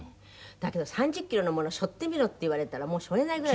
だけど３０キロのものしょってみろって言われたらもうしょえないぐらい。